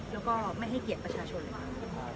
แล้วก็ไม่ให้เกียรติประชาชนค่ะ